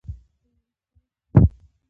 د بیروج کانونه په کومو ولایتونو کې دي؟